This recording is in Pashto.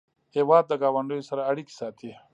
هېواد د ګاونډیو سره اړیکې ساتي.